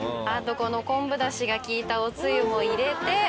あとこの昆布だしがきいたおつゆも入れて。